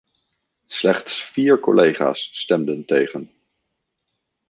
Slechts vier collega's stemden tegen.